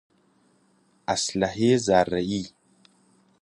اسلحه ذرهای